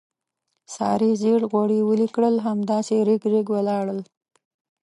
سارې زېړ غوړي ویلې کړل، همداسې رېګ رېګ ولاړل.